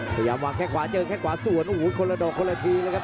พยายามวางแค่ขวาเจอแค่ขวาส่วนโอ้โหคนละดอกคนละทีเลยครับ